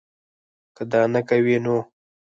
کۀ دا نۀ کوي نو